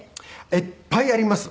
いっぱいあります。